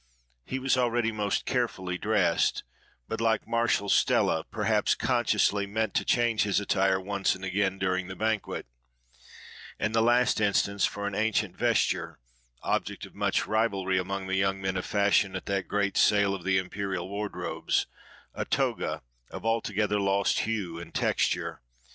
He was already most carefully dressed, but, like Martial's Stella, perhaps consciously, meant to change his attire once and again during the banquet; in the last instance, for an ancient vesture (object of much rivalry among the young men of fashion, at that great sale of the imperial wardrobes) a toga, of altogether lost hue and texture.